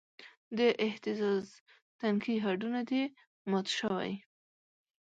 د اهتزاز تنکي هډونه دې مات شوی